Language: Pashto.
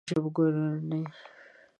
ژبکورنۍ